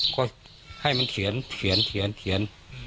ก็ให้มันเถียนเถียนเถียนเถียน